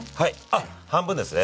あっ半分ですね。